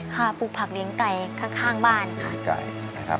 ปลูกผักเลี้ยงไก่ข้างบ้านค่ะ